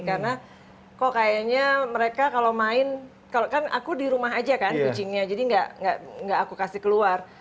karena kok kayaknya mereka kalau main kan aku di rumah aja kan kucingnya jadi enggak aku kasih keluar